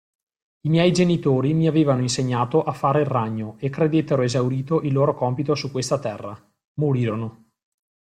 I miei genitori mi avevano insegnato a fare il ragno e credettero esaurito il loro compito su questa terra: morirono.